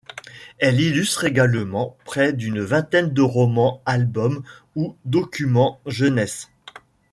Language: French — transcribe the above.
Elle illustre également près d'une vingtaine de romans, albums ou documents jeunesse.